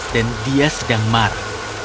dan dia sedang marah